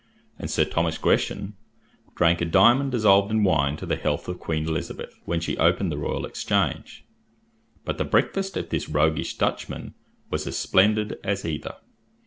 and Sir Thomas Gresham drank a diamond dissolved in wine to the health of Queen Elizabeth, when she opened the Royal Exchange; but the breakfast of this roguish Dutchman was as splendid as either.